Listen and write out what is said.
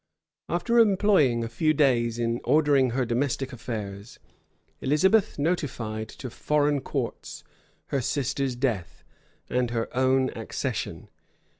After employing a few days in ordering her domestic affairs, Elizabeth notified to foreign courts her sister's death, and her own accession.